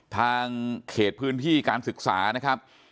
ทางเขตพื้นที่การศึกษานะครับ